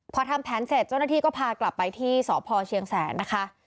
พอทำแผนเสร็จเจ้าหน้าที่ก็พากลับไปที่สพเชียงแสนนะคะ